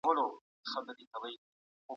د خوب وخت بدلول بدن ګډوډوي.